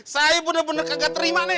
saya bener bener kagak terima nih